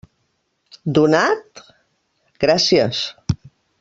Donat?, gràcies.